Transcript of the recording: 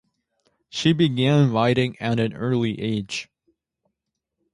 She began writing at an early age.